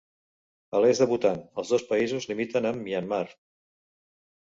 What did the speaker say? A l'est de Bhutan, els dos països limiten amb Myanmar.